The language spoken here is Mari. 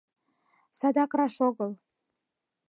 САДАК РАШ ОГЫЛ